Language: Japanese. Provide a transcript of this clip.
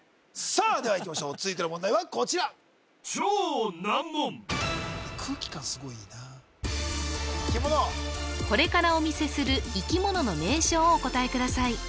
さあではいきましょう続いての問題はこちら空気感すごいいいなこれからお見せする生き物の名称をお答えください